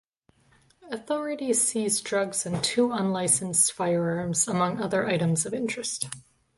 Authorities seized drugs and two unlicensed firearms among other items of interest.